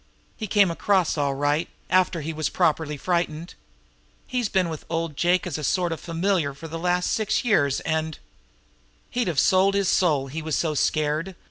He came across all right after he was properly frightened. He's been with old Jake as a sort of familiar for the last six years, and " "He'd have sold his soul out, he was so scared!"